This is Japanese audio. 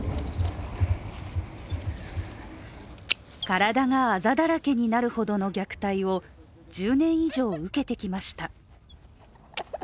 体が、あざだらけになるほどの虐待を１０年以上受けてきました。